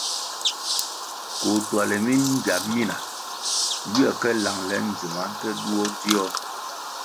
Koh tuale mingia mina ywe ka langle ndzima nte duo dzio.